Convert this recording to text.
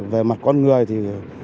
về mặt con người